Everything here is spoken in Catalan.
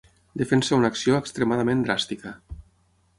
Defensa una acció extremadament dràstica.